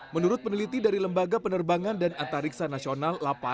menurut peneliti dari lembaga penerbangan dan antariksa nasional